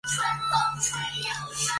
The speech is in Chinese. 该寺是明朝正统年间敕建。